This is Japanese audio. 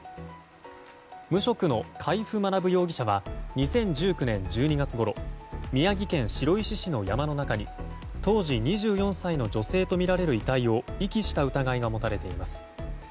無職の海部学容疑者は２０１９年１２月ごろ宮城県白石市の山の中に当時２４歳の女性とみられる遺体を遺棄した疑いが持たれています。